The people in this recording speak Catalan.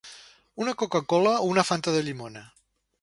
Una coca-cola o una fanta de llimona?